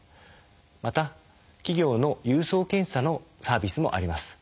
また企業の郵送検査のサービスもあります。